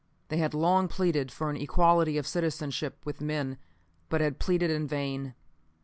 They had long pleaded for an equality of citizenship with men, but had pleaded in vain.